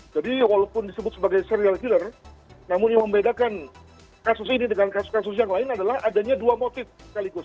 walaupun disebut sebagai serial healer namun yang membedakan kasus ini dengan kasus kasus yang lain adalah adanya dua motif sekaligus